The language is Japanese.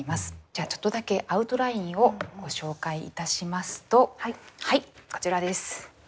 じゃあちょっとだけアウトラインをご紹介いたしますとはいこちらです。